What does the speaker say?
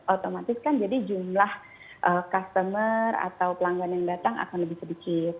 otomatis kan jadi jumlah customer atau pelanggan yang datang akan lebih sedikit